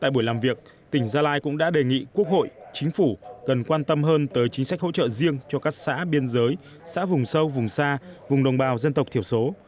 tại buổi làm việc tỉnh gia lai cũng đã đề nghị quốc hội chính phủ cần quan tâm hơn tới chính sách hỗ trợ riêng cho các xã biên giới xã vùng sâu vùng xa vùng đồng bào dân tộc thiểu số